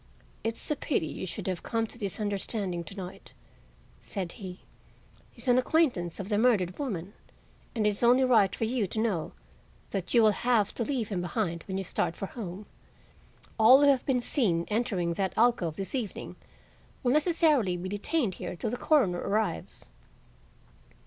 "It's a pity you should have come to this understanding to night," said he. "He's an acquaintance of the murdered woman, and it is only right for you to know that you will have to leave him behind when you start for home. All who have been seen entering that alcove this evening will necessarily be detained here till the coroner arrives."